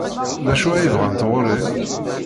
D acu ay bɣant ɣer-i?